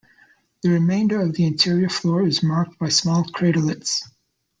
The remainder of the interior floor is marked by small craterlets.